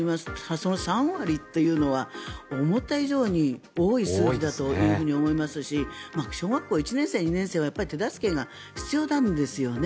その３割というのは思った以上に多い数字だと思いますし小学校１年生、２年生はやっぱり手助けが必要なんですよね。